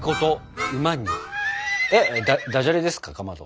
えっダジャレですかかまど？